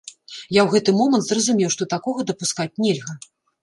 Я ў гэты момант зразумеў, што такога дапускаць нельга.